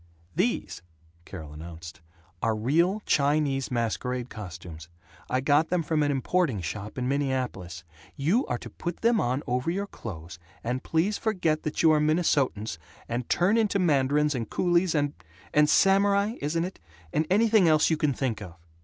"These," Carol announced, "are real Chinese masquerade costumes. I got them from an importing shop in Minneapolis. You are to put them on over your clothes, and please forget that you are Minnesotans, and turn into mandarins and coolies and and samurai (isn't it?), and anything else you can think of."